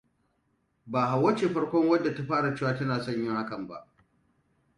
Ba Hauwa ce farkon wadda ta fara cewa tana son yin hakan ba.